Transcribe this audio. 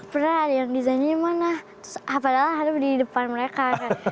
pernah ada yang designnya mana terus apa apaan ada di depan mereka